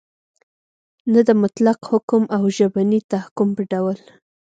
نه د مطلق حکم او ژبني تحکم په ډول